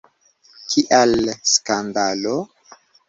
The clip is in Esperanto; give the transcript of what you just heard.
Kial skandalo?